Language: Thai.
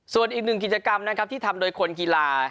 ส่วนอีกหนึ่งกิจกรรมนะครับที่ทำโดยคนกีฬา